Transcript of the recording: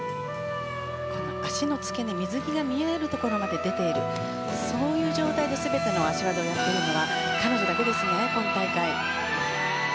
この足の付け根水着が見えるところまで出ているそういう状態で全ての脚技をやっているのは彼女だけですね、今大会。